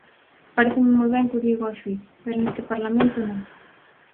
Paréceme moi ben que o diga o xuíz, pero neste Parlamento non.